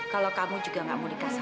kalau kamu juga nggak mau dikasar